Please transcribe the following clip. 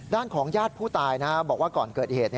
ด้านของญาติผู้ตายบอกว่าก่อนเกิดเหตุ